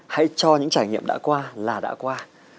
hãy cho những trải nghiệm đã qua là đã qua